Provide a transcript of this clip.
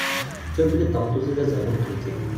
Ttun belli d tameṭṭut i d azamul n tmetti.